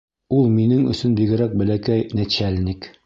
Ул минең өсөн бигерәк бәләкәй нәчәл-ник.